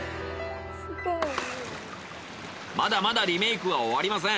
まだまだリメイクは終わりません！